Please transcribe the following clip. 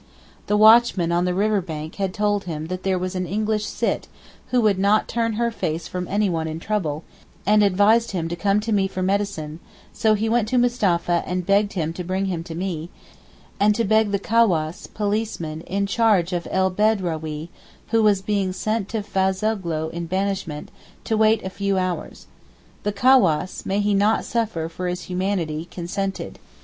The watchman on the river bank had told him that there was an English Sitt 'who would not turn her face from anyone in trouble' and advised him to come to me for medicine, so he went to Mustapha and begged him to bring him to me, and to beg the cawass (policeman) in charge of El Bedrawee (who was being sent to Fazoghlou in banishment) to wait a few hours. The cawass (may he not suffer for his humanity) consented.